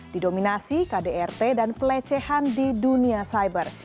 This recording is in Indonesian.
di dominasi kdrt dan pelecehan di dunia cyber